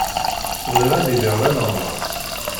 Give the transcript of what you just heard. Bɣiɣ ad iliɣ d aneɣmas.